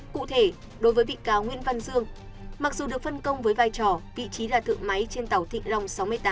cụ thể đối với bị cáo nguyễn văn dương mặc dù được phân công với vai trò vị trí là thợ máy trên tàu thịnh long sáu mươi tám